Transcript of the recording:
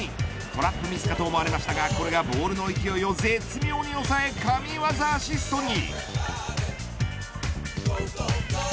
トラップミスだと思われましたがこれがボールの勢いを絶妙に抑え神業アシストに。